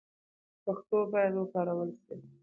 پښتو باید وکارول سي.